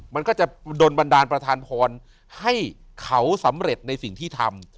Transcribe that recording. มันก็จะโดนบันดาลประธานพรให้เขาสำเร็จในสิ่งที่ทำ